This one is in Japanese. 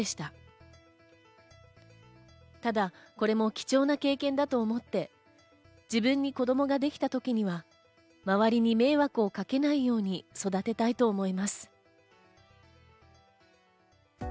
これも貴重な経験だと思って、自分に子供ができた時には周りに迷惑をかけないように育てたいと思います。